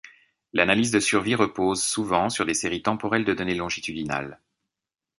L'analyse de survie repose souvent sur des séries temporelles de données longitudinales.